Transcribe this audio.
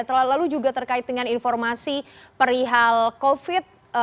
lalu juga terkait dengan informasi perihal covid